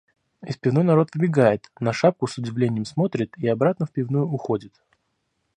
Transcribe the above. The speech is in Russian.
Из пивной народ выбегает, на шапку с удивлением смотрит и обратно в пивную уходит.